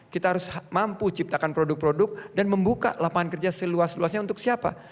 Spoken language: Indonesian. kita harus mampu ciptakan produk produk dan membuka lapangan kerja seluas luasnya untuk siapa